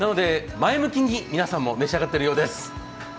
前向きに皆さんも召し上がっているそうです。